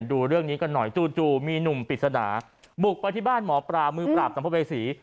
ดูเรื่องนี้กันหน่อยจู่มีหนุ่มปริศนาบุกไปที่บ้านหมอปลามือปราบสัมภเวษี